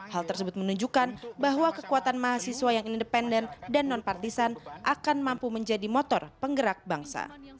hal tersebut menunjukkan bahwa kekuatan mahasiswa yang independen dan non partisan akan mampu menjadi motor penggerak bangsa